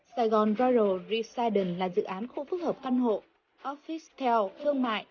saigon royal residence là dự án khu phức hợp căn hộ officetel phương mại